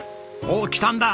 おっきたんだ。